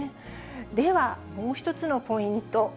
では、もう１つのポイント。